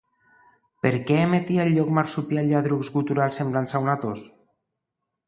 Per què emetia el llop marsupial lladrucs guturals semblants a una tos?